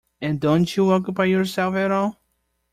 And don't you occupy yourself at all?